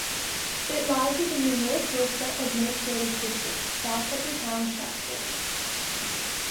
It lies within the North Dorset administrative district, south of the town of Shaftesbury.